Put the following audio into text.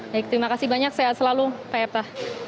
terima kasih banyak saya selalu pak epta